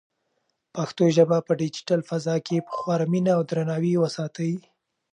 پښتو ژبه په ډیجیټل فضا کې په خورا مینه او درناوي وساتئ.